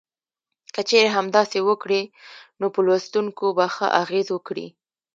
که چېرې همداسې وکړي نو په لوستونکو به ښه اغیز وکړي.